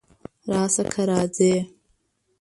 راشه! که راځې!